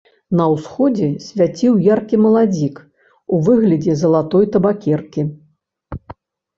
На ўсходзе свяціў яркі маладзік у выглядзе залатой табакеркі.